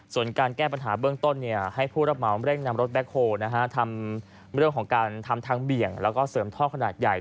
ส่วนการแก้ปัญหาเบื้องต้นให้ผู้รับเหมาเร่งนำรถแบ็คโฮลทำเรื่องของการทำทางเบี่ยงแล้วก็เสริมท่อขนาดใหญ่